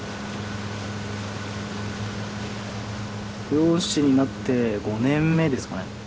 漁師になって５年目ですかね。